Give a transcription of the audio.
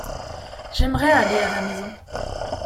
J’aimerais aller à la maison.